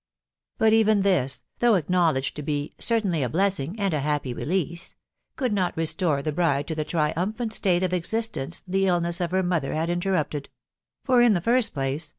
But even this, though acknowledged to be " certainly a bless ing, iandta happy release," could not restore the bride to the triumphant *tate of existence the illness of her mother had interrupted; for, in .the .first place